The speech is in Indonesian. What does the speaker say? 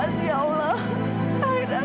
akhirnya aku menemukan anak dari sahabatku